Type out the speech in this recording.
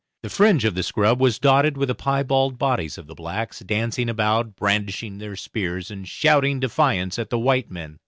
The fringe of the scrub was dotted with the piebald bodies of the blacks, dancing about, brandishing their spears, and shouting defiance at the white men.